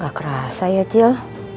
gak kerasa ya acil